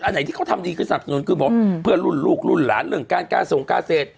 ไหนที่เขาทำดีคือสนับสนุนคือบอกเพื่อนรุ่นลูกรุ่นหลานเรื่องการกาส่งกาเศษ